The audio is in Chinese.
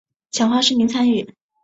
强化市民参与